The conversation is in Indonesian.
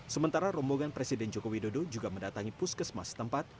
sementara rombongan presiden joko widodo juga mendatangi puskesmas tempat